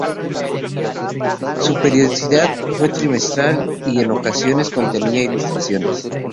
Su periodicidad fue trimestral y en ocasiones contenía ilustraciones.